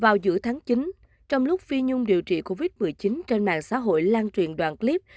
vào giữa tháng chín trong lúc phi nhung điều trị covid một mươi chín trên mạng xã hội lan truyền đoạn clip